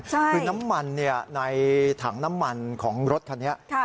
ใช่คือน้ำมันเนี้ยในถังน้ำมันของรถทันเนี้ยค่ะ